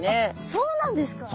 そうなんです。